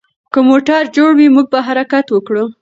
که موټر جوړ وي، موږ به حرکت وکړو.